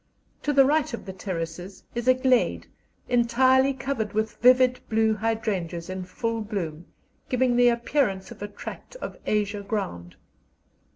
To the right of the terraces is a glade, entirely covered with vivid blue hydrangeas in full bloom, giving the appearance of a tract of azure ground.